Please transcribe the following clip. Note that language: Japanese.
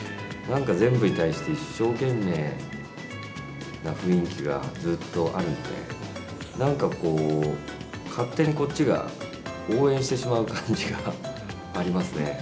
なんか全部に対して一生懸命な雰囲気がずっとあるので、なんかこう、勝手にこっちが応援してしまう感じがありますね。